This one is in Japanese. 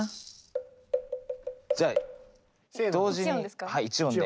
じゃあ同時に１音で。